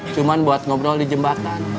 cuma buat ngobrol di jembatan